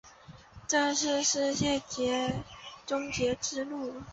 这是世界终结之路。